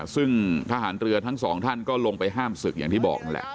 ซึ่งทหารเรือทั้งสองท่านก็ลงไปห้ามศึกอย่างที่บอกนั่นแหละ